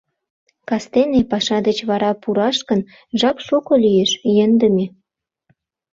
Кастене, паша деч вара, пураш гын... жап шуко лиеш, йӧндымӧ.